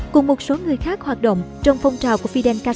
cùng một số người khác hoạt động trong phong trào của fidel castro